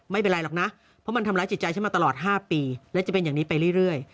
ไม่เป็นไรหรอกนะเพราะมันทำร้ายจิตใจฉันมาตลอด๕ปีและจะเป็นอย่างนี้ไปเรื่อย